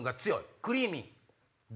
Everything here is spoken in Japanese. クリーミー！